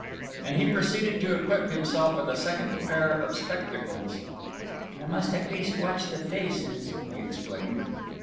And he proceeded to equip himself with a second pair of spectacles. "I must at least watch the faces," he explained.